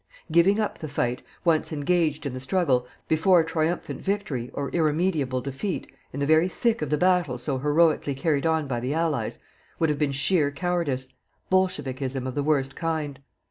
Giving up the fight, once engaged in the struggle, before triumphant victory, or irremediable defeat, in the very thick of the battle so heroically carried on by the Allies, would have been sheer cowardice bolchevikism of the worst kind.